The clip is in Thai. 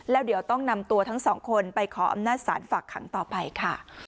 แล้วเดี๋ยวต้องนำตัวทั้งสองคนไปขออำนาจศาลฝากขังต่อไปค่ะ